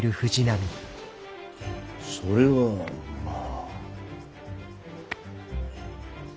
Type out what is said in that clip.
それはまぁ。